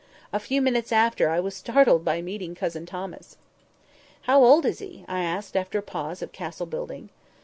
A few minutes after I was startled by meeting Cousin Thomas." "How old is he?" I asked, after a pause of castle building.